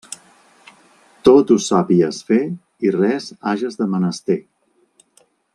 Tot ho sàpies fer i res hages de menester.